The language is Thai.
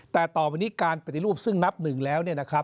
แต่ต่อไปนี้การปฏิรูปซึ่งนับหนึ่งแล้ว